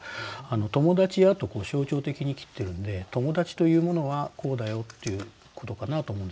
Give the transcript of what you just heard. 「ともだちや」と象徴的に切ってるんで友達というものはこうだよっていうことかなと思うんですよね。